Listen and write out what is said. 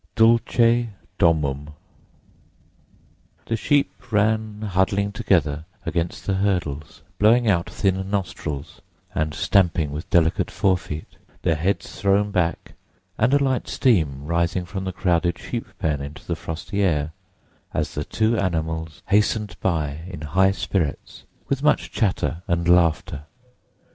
DULCE DOMUM The sheep ran huddling together against the hurdles, blowing out thin nostrils and stamping with delicate fore feet, their heads thrown back and a light steam rising from the crowded sheep pen into the frosty air, as the two animals hastened by in high spirits, with much chatter and laughter.